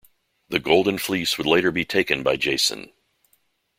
The Golden Fleece would later be taken by Jason.